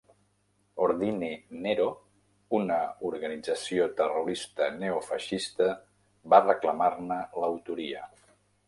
Ordine Nero, una organització terrorista neofeixista, va reclamar-ne l'autoria.